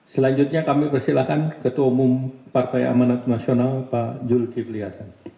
selanjutnya kami persilahkan ketua umum partai amanat nasional pak zulkifli hasan